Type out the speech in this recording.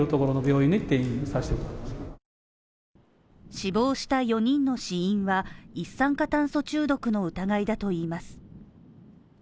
死亡した４人の死因は一酸化炭素中毒の疑いだといいます。